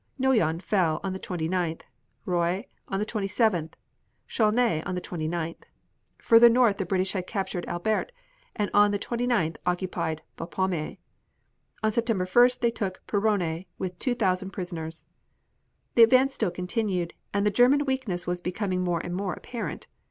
Noyon fell on the 29th, Roye on the 27th, Chaulnes on the 29th. Further north the British had captured Albert, and on the 29th occupied Bapaume. On September 1st they took Peronne with two thousand prisoners. The advance still continued, and the German weakness was becoming more and more apparent.